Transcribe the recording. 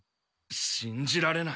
しんじられない。